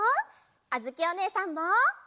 あづきおねえさんも！